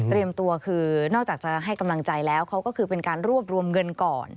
ตัวคือนอกจากจะให้กำลังใจแล้วเขาก็คือเป็นการรวบรวมเงินก่อน